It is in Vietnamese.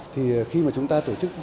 thì khi mà chúng ta tổ chức